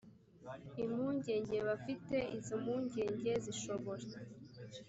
impungenge bafite izo mpungenge zishobora